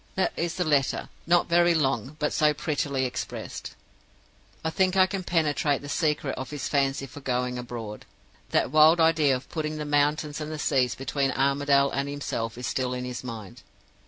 "That is the letter; not very long, but so prettily expressed. "I think I can penetrate the secret of his fancy for going abroad. That wild idea of putting the mountains and the seas between Armadale and himself is still in his mind.